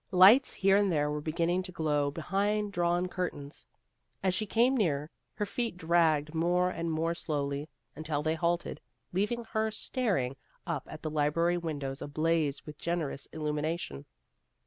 Lights here and there were beginning to glow behind drawn curtains. As she came nearer, her feet dragged more and more slowly, until they halted, leaving her star ing up at the library windows ablaze with generous illumination.